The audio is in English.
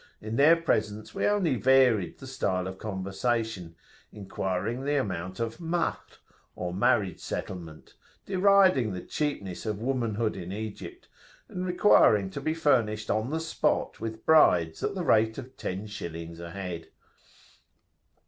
In their presence we only varied the style of conversation inquiring the amount of "Mahr," or marriage settlement, deriding the cheapness of womanhood in Egypt, and requiring to be furnished on the spot with brides at the rate of ten shillings a head.